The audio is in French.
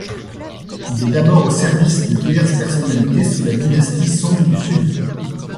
Il est d'abord au service de diverses personnalités sous la dynastie Song du Sud.